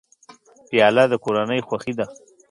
پیاله د کورنۍ خوښي ده.